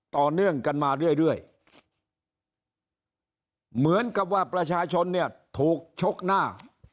ต่อเนื่องกันมาเรื่อยเหมือนกับว่าประชาชนเนี่ยถูกชกหน้า